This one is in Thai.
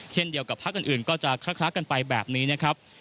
เช่นเดียวกับพักอื่นก็จะคล้ากันไปแบบนี้นะครับ